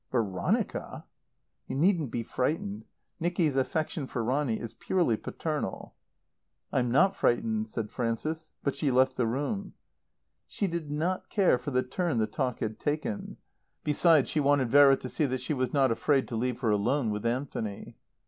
"Ver onica?" You needn't be frightened. Nicky's affection for Ronny is purely paternal." "I'm not frightened," said Frances. But she left the room. She did not care for the turn the talk had taken. Besides, she wanted Vera to see that she was not afraid to leave her alone with Anthony.